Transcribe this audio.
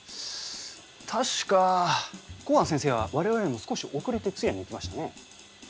確か幸庵先生は我々よりも少し遅れて通夜に行きましたね。